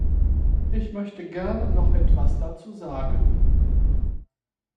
Ich möchte gerne noch etwas dazu sagen.